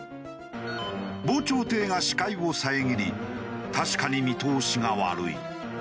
防潮堤が視界を遮り確かに見通しが悪い。